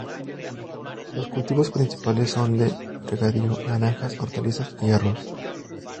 Los cultivos principales son de regadío: naranjas, hortalizas y arroz.